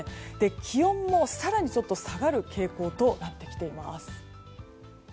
気温も更に下がる傾向となってきています。